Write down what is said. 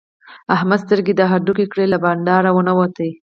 احمد سترګې د هډوکې کړې؛ له بانډاره و نه وت.